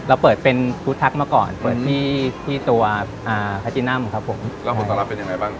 เราเปิดเป็นมาก่อนเปิดที่ที่ตัวอ่าครับผมแล้วผลต่อลับเป็นยังไงบ้าง